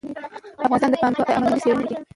افغانستان د پامیر په اړه علمي څېړنې لري.